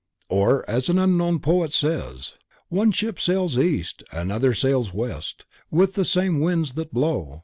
Or, as an unknown poet says: "One ship sails East and another sails West With the self same winds that blow.